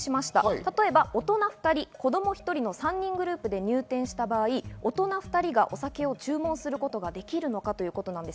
例えば大人２人、子供１人の３人グループで入店した場合、大人２人がお酒を注文することができるのかということです。